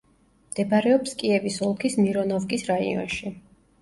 მდებარეობს კიევის ოლქის მირონოვკის რაიონში.